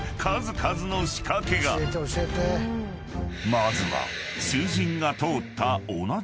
［まずは］